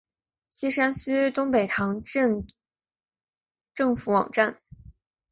锡山区东北塘镇政府网站